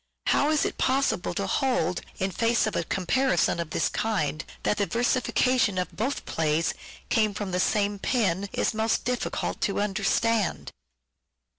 How it is possible to hold, in face of a comparison of this kind, that the versifica tion of both plays came from the same pen, is most difficult to understand.